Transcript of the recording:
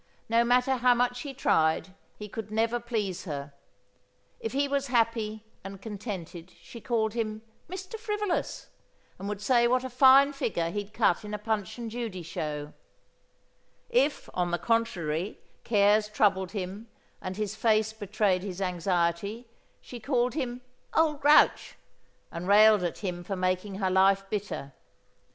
No matter how much he tried he could never please her. If he was happy and contented she called him "Mr. Frivolous" and would say what a fine figure he'd cut in a Punch and Judy show; if, on the contrary, cares troubled him and his face betrayed his anxiety, she called him "Old Grouch" and railed at him for making her life bitter.